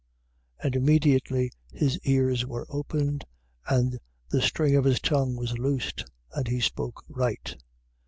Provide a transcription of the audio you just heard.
7:35. And immediately his ears were opened and the string of his tongue was loosed and he spoke right.